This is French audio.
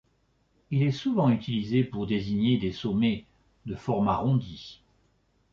Il est souvent utilisé pour désigner des sommets de forme arrondie.